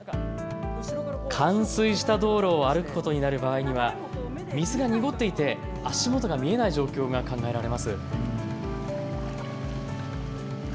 冠水した道路を歩くことになる場合には水が濁っていて足元が見えない状況が考えられます。